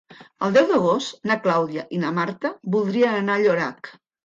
El deu d'agost na Clàudia i na Marta voldrien anar a Llorac.